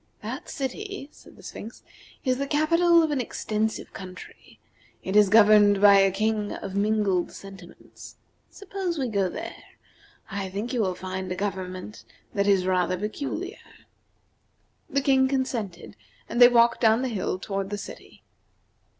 "That city," said the Sphinx, "is the capital of an extensive country. It is governed by a king of mingled sentiments. Suppose we go there. I think you will find a government that is rather peculiar." The King consented, and they walked down the hill toward the city.